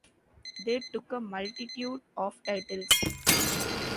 They took a multitude of titles.